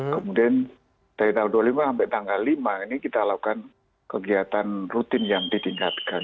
kemudian dari tanggal dua puluh lima sampai tanggal lima ini kita lakukan kegiatan rutin yang ditingkatkan